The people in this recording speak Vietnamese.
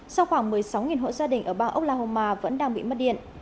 sau khoảng một mươi sáu hộ gia đình ở bang oklahoma vẫn đang bị mất điện